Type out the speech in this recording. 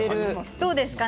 どうですか？